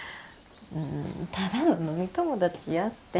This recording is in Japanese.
うんただの飲み友達やって。